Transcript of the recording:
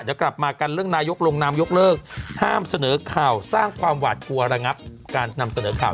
เดี๋ยวกลับมากันเรื่องนายกลงนามยกเลิกห้ามเสนอข่าวสร้างความหวาดกลัวระงับการนำเสนอข่าว